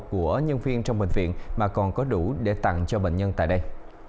của nhân viên trong bệnh viện mà còn có đủ để tặng cho bệnh nhân tại đây